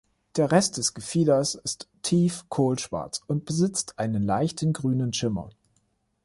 Der Rest des Gefieders ist tief kohlschwarz und besitzt einen leichten grünen Schimmer.